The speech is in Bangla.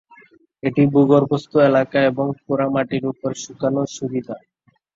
এটি ভূগর্ভস্থ এলাকা এবং পোড়ামাটির উপর শুকানোর সুবিধা।